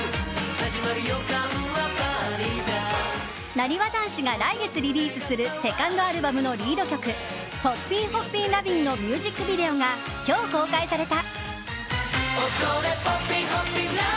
なにわ男子が来月リリースするセカンドアルバムのリード曲「Ｐｏｐｐｉｎ’Ｈｏｐｐｉｎ’Ｌｏｖｉｎ’」のミュージックビデオが今日公開された。